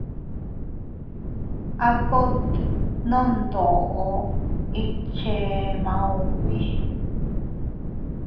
A kot nondoʼo ikche maubi.